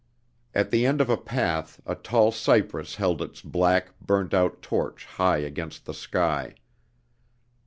At the end of a path a tall cypress held its black, burnt out torch high against the sky.